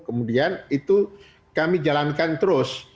kemudian itu kami jalankan terus